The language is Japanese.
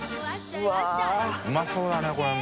うまそうだねこれも。